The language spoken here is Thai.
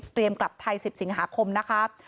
เตรียมกลับไทย๑๐สิงหาคมนะครับ